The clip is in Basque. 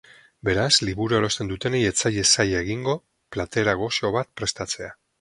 Beraz, liburua erosten dutenei ez zaie zaila egingo platera gozo bat prestatzea.